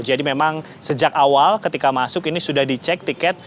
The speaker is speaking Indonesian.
jadi memang sejak awal ketika masuk ini sudah dicek tiket